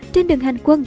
trên đường hành quân